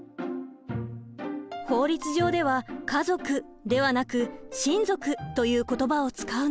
法律上では「家族」ではなく「親族」という言葉を使うの。